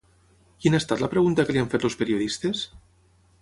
Quina ha estat la pregunta que li han fet els periodistes?